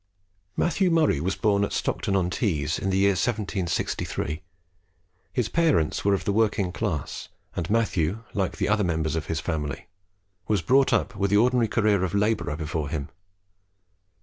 Matthew Murray was born at Stockton on Tees in the year 1763. His parents were of the working class, and Matthew, like the other members of the family, was brought up with the ordinary career of labour before him.